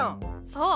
そう。